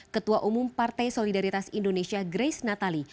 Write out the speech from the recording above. ketua umum partai solidaritas indonesia grace natali